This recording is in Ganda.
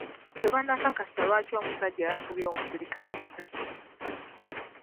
Tebannakakasa lwaki omusajja yakubye omuserikale essaasi.